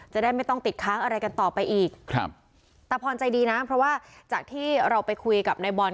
จะได้ไม่ต้องติดค้างอะไรกันต่อไปอีกครับตาพรใจดีนะเพราะว่าจากที่เราไปคุยกับนายบอล